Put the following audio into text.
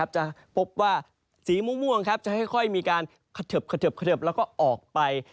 จะพบว่าสีม่วงจะค่อยมีการเขิบแล้วก็ออกไป